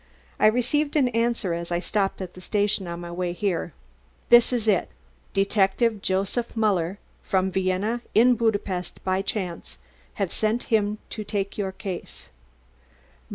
I received an answer as I stopped at the station on my way here. This is it: 'Detective Joseph Muller from Vienna in Budapest by chance. Have sent him to take your case.